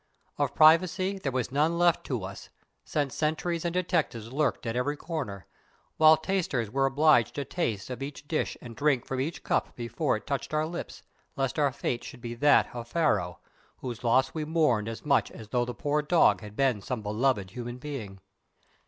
Of privacy there was none left to us, since sentries and detectives lurked at every corner, while tasters were obliged to eat of each dish and drink from each cup before it touched our lips, lest our fate should be that of Pharaoh, whose loss we mourned as much as though the poor dog had been some beloved human being.